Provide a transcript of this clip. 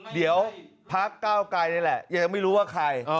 เดี๋ยวพักเก้าไกรนี่แหละยังไม่รู้ว่าใคร